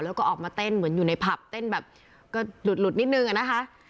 แล้วก็ออกมาเต้นเหมือนอยู่ในผับเต้นแบบก็หลุดนิดนึงอะนะคะ